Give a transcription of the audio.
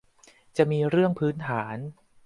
จะมีเรื่องพื้นฐาน